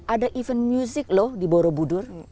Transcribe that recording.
ada event music loh di buru buru